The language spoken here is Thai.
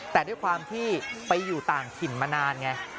แต่ด้วยความที่ไปอยู่ต่างถิ่นมานานไง